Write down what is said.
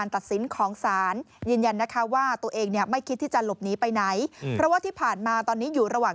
ต้องปรึกษาทนายก่อนนะ